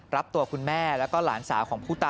แล้วก็เอามาวางไว้ที่หน้าโรงศพ